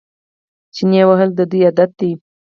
چنې وهل د دوی عادت دی.